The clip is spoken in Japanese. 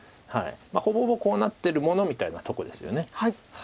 ほぼほぼこうなってるものみたいなとこですよね。